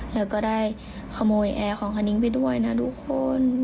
แล้วก็ได้ขโมยแอร์ของฮานิ้งไปด้วยนะทุกคน